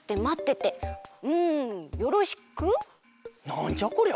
なんじゃこりゃ！？